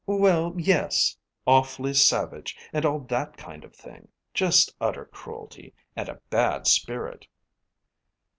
"Well, yes; awfully savage, and all that kind of thing. Just utter cruelty, and a bad spirit."